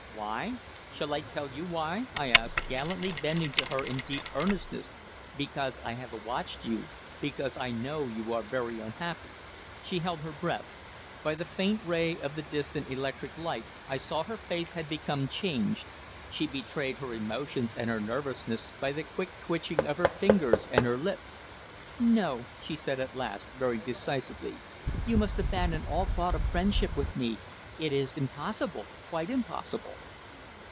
"Why? Shall I tell you why?" I asked, gallantly bending to her in deep earnestness. "Because I have watched you because I know you are very unhappy!" She held her breath. By the faint ray of the distant electric light I saw her face had become changed. She betrayed her emotions and her nervousness by the quick twitching of her fingers and her lips. "No," she said at last very decisively; "you must abandon all thought of friendship with me. It is impossible quite impossible!"